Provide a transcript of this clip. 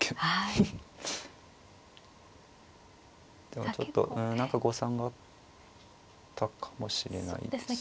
でもちょっと何か誤算があったかもしれないですね。